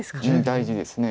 大事です。